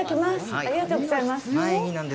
ありがとうございます。